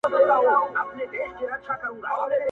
شالمار به په زلمیو هوسېږي!!